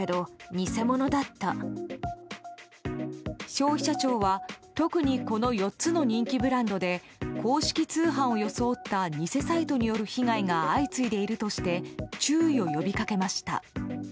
消費者庁は特に、この４つの人気ブランドで公式通販を装った偽サイトによる被害が相次いでいるとして注意を呼びかけました。